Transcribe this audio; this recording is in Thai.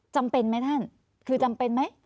จำเป็นไหมท่านคือจำเป็นไหม